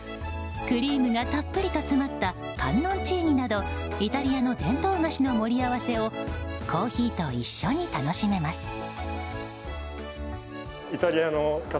クリームがたっぷりと詰まったカンノンチーニなどイタリアの伝統菓子の盛り合わせをコーヒーと一緒に楽しめます。